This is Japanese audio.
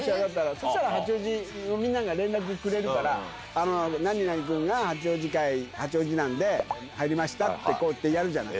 そしたら八王子のみんなが連絡くれるから、何々君が八王子、八王子なんで、入りましたって、こうやってやるじゃない。